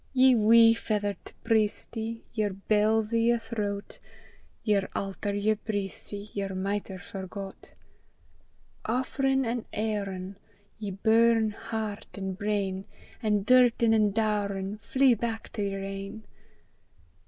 Ye wee feathert priestie, Yer bells i' yer thro't. Yer altar yer breistie Yer mitre forgot Offerin' an' Aaron, Ye burn hert an' brain An' dertin' an' daurin' Flee back to yer ain.